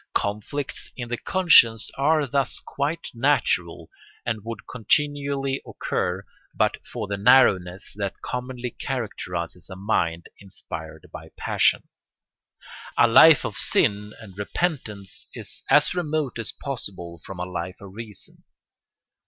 Conflicts in the conscience are thus quite natural and would continually occur but for the narrowness that commonly characterises a mind inspired by passion. A life of sin and repentance is as remote as possible from a Life of Reason.